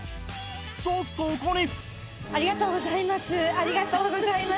とそこに